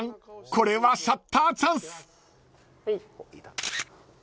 これはシャッターチャンス］